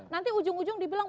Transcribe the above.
nanti ujung ujung dibilang